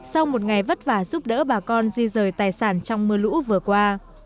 sau một ngày vất vả giúp đỡ bà con di rời tài sản trong mưa lũ vừa qua